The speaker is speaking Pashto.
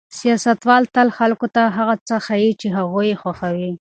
سیاستوال تل خلکو ته هغه څه ښيي چې هغوی یې خوښوي.